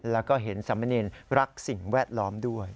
แล้วก็เห็นสามเณรรักสิ่งแวดล้อมด้วย